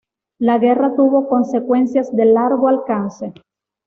La guerra tuvo consecuencias de largo alcance.